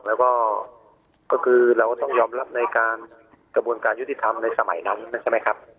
แล้วก็ก็คือเราต้องยอมรับในการกระบวนการยุติธรรมในสมัยนั้นใช่ไหมครับ